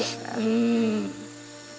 うん。